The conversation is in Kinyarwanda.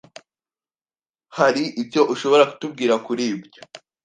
Hari icyo ushobora kutubwira kuri byo?